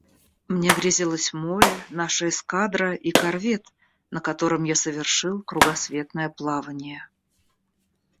Мне грезилось море, наша эскадра и корвет, на котором я совершил кругосветное плавание.